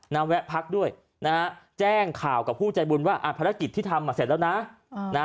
แวะพักด้วยนะฮะแจ้งข่าวกับผู้ใจบุญว่าภารกิจที่ทำเสร็จแล้วนะ